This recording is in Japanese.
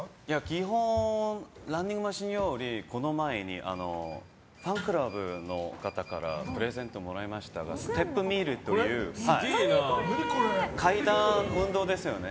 基本、ランニングマシンよりファンクラブの方からプレゼントをもらいましたステップミルという階段運動ですよね。